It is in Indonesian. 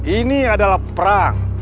ini adalah perang